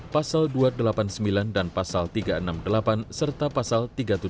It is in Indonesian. pasal dua ratus delapan puluh sembilan dan pasal tiga ratus enam puluh delapan serta pasal tiga ratus tujuh puluh